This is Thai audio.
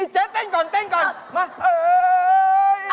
เจ๊เต้นก่อนเต้นก่อนมาเอ่ย